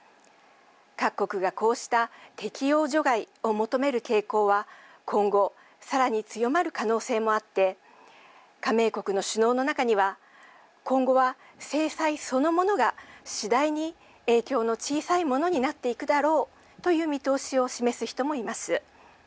各国がこうした適用除外を求める傾向は今後さらに強まる可能性もあって加盟国の首脳の中には今後は制裁そのものが次第に影響の小さいものになっていくだろうという見通しを示す人もいます。